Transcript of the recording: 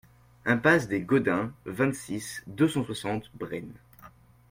Impasse des Godins, vingt-six, deux cent soixante Bren